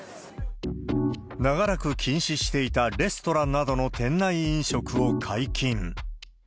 長らく禁止していたレストランなどの店内飲食を解禁。